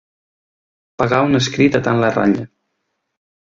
Pagar un escrit a tant la ratlla.